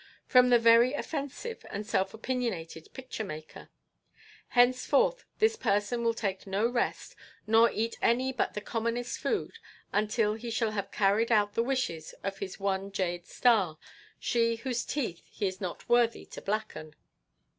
"From the very offensive and self opinionated picture maker. "Henceforth this person will take no rest, nor eat any but the commonest food, until he shall have carried out the wishes of his one Jade Star, she whose teeth he is not worthy to blacken.